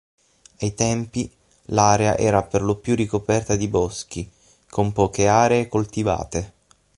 Ai tempi, l'area era perlopiù ricoperta di boschi, con poche aree coltivate.